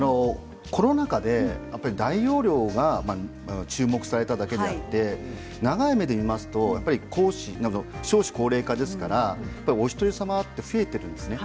コロナ禍でやっぱり大容量が注目されただけであって長い目で見ますとやっぱり少子高齢化ですからお一人様って増えているんですね。